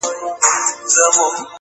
• له ناکامه د قسمت په انتظار سو,